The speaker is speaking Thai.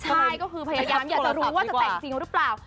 ใช่ก็คือพยายามอยากจะรู้ว่าจะแต่งจริงหรือเปล่า